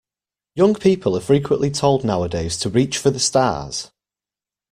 Young people are frequently told nowadays to reach for the stars.